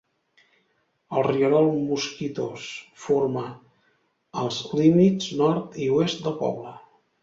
El rierol Mosquitos forma els límits nord i oest del poble.